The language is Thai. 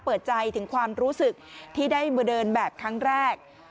เปิดใจถึงความรู้สึกที่ได้มาเดินแบบครั้งแรก